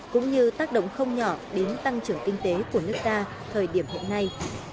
cũng như tác động không nhỏ đến tăng trưởng kinh tế của nước ta thời điểm hiện nay